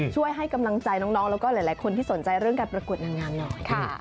ให้กำลังใจน้องแล้วก็หลายคนที่สนใจเรื่องการประกวดนางงามหน่อย